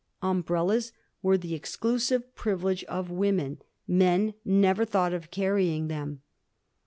Umbrellas were the exclusive privilege of women ; men never thought of carrying them.